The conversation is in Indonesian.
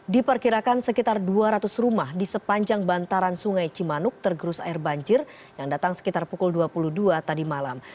diperkirakan sekitar dua ratus rumah di sepanjang bantaran sungai cimanuk tergerus air banjir yang datang sekitar pukul dua puluh dua tadi malam